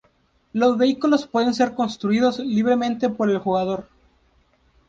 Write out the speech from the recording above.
Los vehículos pueden ser construidos libremente por el jugador.